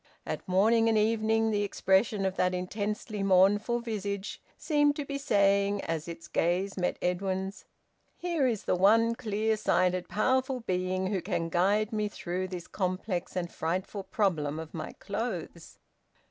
At morning and evening the expression of that intensely mournful visage seemed to be saying as its gaze met Edwin's, "Here is the one clear sighted, powerful being who can guide me through this complex and frightful problem of my clothes."